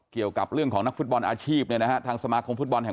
เกี่ยวกับเรื่องของนักฟุตบอลอาชีพเนี่ยนะฮะทางสมาคมฟุตบอลแห่ง